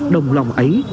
đồng lòng ấy